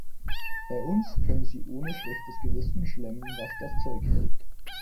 Bei uns können sie ohne schlechtes Gewissen schlemmen, was das Zeug hält.